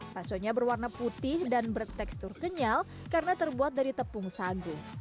baksonya berwarna putih dan bertekstur kenyal karena terbuat dari tepung sagu